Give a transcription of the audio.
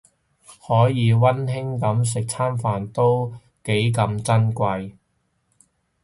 可以溫馨噉食餐飯係幾咁珍貴